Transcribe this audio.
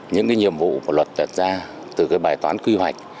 những nhiệm vụ và luật đặt ra từ bài toán quy hoạch